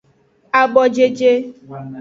Abojeje.